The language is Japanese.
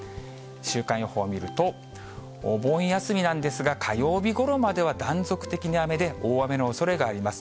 週間予報見ると、お盆休みなんですが、火曜日ごろまでは断続的に雨で、大雨のおそれがあります。